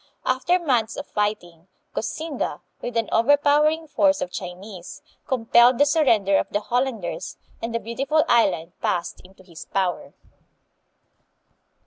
After months of fighting, Koxinga, with an overpowering force of Chinese, com pelled the surrender of the Hollanders and the beautiful island passed into his power.